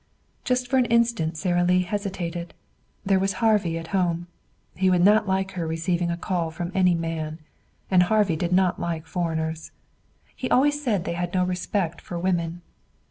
Just for an instant Sara Lee hesitated. There was Harvey at home. He would not like her receiving a call from any man. And Harvey did not like foreigners. He always said they had no respect for women.